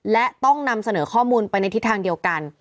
และต้องนำเสนอข้อมูลไปในทิศทางเดียวกัน